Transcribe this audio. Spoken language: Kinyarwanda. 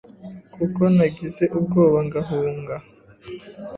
kuko nagize ubwoba ngahunga